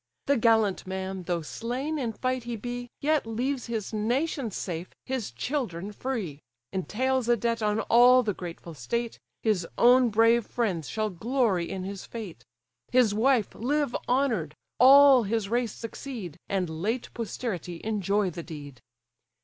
The gallant man, though slain in fight he be, Yet leaves his nation safe, his children free; Entails a debt on all the grateful state; His own brave friends shall glory in his fate; His wife live honour'd, all his race succeed, And late posterity enjoy the deed!"